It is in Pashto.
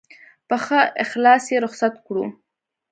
په ښه اخلاص یې رخصت کړو.